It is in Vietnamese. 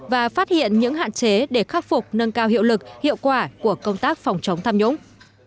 và phát hiện những hạn chế để khắc phục nâng cao hiệu lực hiệu quả của công tác phòng chống tham nhũng